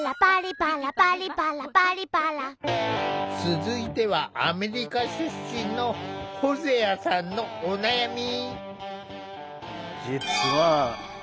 続いてはアメリカ出身のホゼアさんのお悩み。